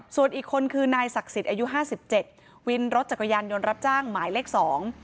ส่วนอีกคนคือนายศักดิ์สิทธิ์อายุห้าสิบเจ็ดวินรถจักรยานยนต์รับจ้างหมายเลขสอง